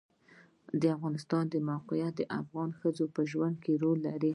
د افغانستان د موقعیت د افغان ښځو په ژوند کې رول لري.